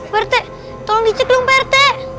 pak rt tolong dicek dong pak rt